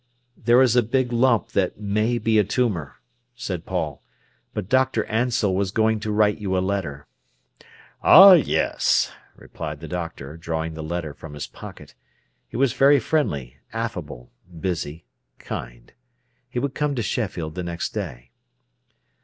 "There is a big lump that may be a tumour," said Paul. "But Dr. Ansell was going to write you a letter." "Ah, yes!" replied the doctor, drawing the letter from his pocket. He was very friendly, affable, busy, kind. He would come to Sheffield the next day.